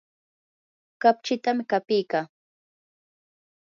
kapchitam qapikaa.